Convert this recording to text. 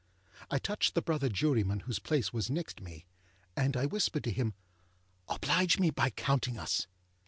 I touched the brother jurymen whose place was next me, and I whispered to him, âOblige me by counting us.